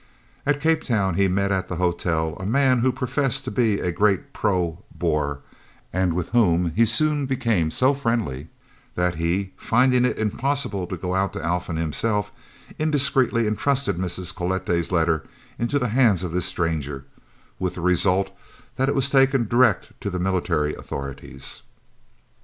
At Cape Town he met at the hotel a man who professed to be a great pro Boer and with whom he soon became so friendly that he, finding it impossible to go out to Alphen himself, indiscreetly entrusted Mrs. Cloete's letter into the hands of this stranger, with the result that it was taken direct to the military authorities.